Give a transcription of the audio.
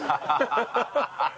ハハハハ。